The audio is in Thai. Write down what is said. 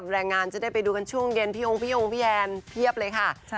เราจะรู้สึกแย่มากครับ